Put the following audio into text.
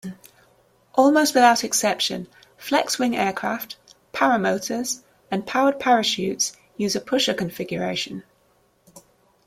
Almost without exception flexwing aircraft, paramotors and powered parachutes use a pusher configuration.